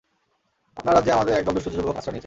আপনার রাজ্যে আমাদের একদল দুষ্ট যুবক আশ্রয় নিয়েছে।